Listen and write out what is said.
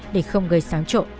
để không gây sáng trộn